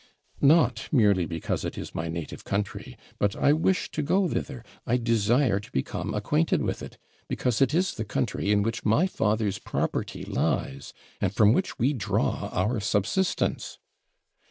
'Not merely because it is my native country; but I wish to go thither I desire to become acquainted with it because it is the country in which my father's property lies, and from which we draw our subsistence.'